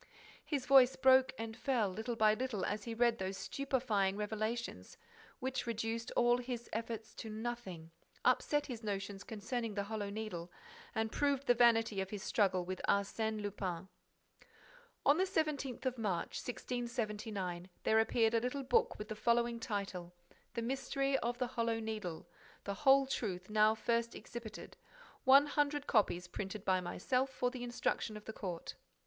His voice broke and fell, little by little, as he read those stupefying revelations, which reduced all his efforts to nothing, upset his notions concerning the Hollow Needle and proved the vanity of his struggle with Arsène Lupin: SIR: On the 17th of March, 1679, there appeared a little book with the following title: _The Mystery of the Hollow Needle. The Whole Truth now first exhibited. One hundred copies printed by myself for the instruction of the Court.